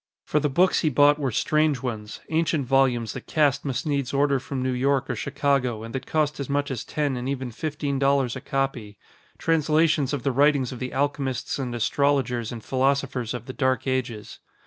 For the books he bought were strange ones; ancient volumes that Cass must needs order from New York or Chicago and that cost as much as ten and even fifteen dollars a copy; translations of the writings of the alchemists and astrologers and philosophers of the dark ages.